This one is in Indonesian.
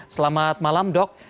selamat malam dok